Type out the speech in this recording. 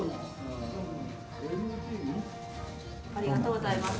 ありがとうございます。